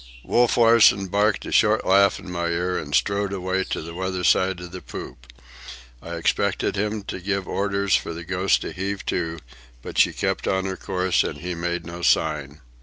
Wolf Larsen barked a short laugh in my ear and strode away to the weather side of the poop. I expected him to give orders for the Ghost to heave to, but she kept on her course and he made no sign.